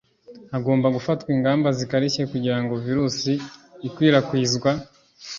hagomba gufatwa ingamba zikarishye kugira ngo virusi ikwirakwizwa